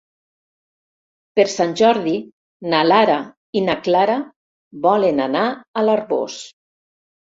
Per Sant Jordi na Lara i na Clara volen anar a l'Arboç.